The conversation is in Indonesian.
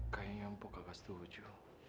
kayaknya nopo kagak setuju